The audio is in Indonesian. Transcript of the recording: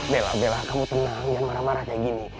bella bella kamu tenang jangan marah marah kayak gini